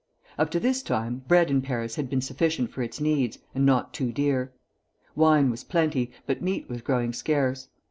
Up to this time bread in Paris had been sufficient for its needs, and not too dear. Wine was plenty, but meat was growing scarce.